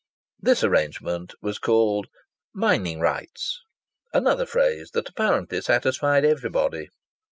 This arrangement was called "mining rights," another phrase that apparently satisfied everybody.